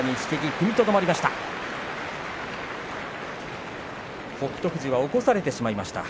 踏みとどまりました。